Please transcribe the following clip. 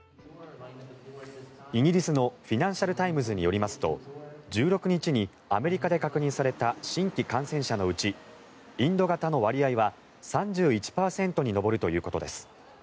イギリスのフィナンシャル・タイムズによりますと１６日にアメリカで確認された新規感染者のうちインド型の割合は３１％に上るということです。